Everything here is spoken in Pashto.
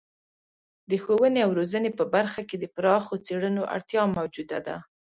د ښوونې او روزنې په برخه کې د پراخو څیړنو اړتیا موجوده ده.